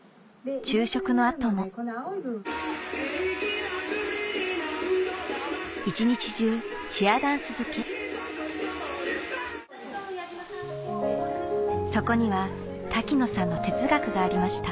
昼食の後も一日中チアダンス漬けそこには滝野さんの哲学がありました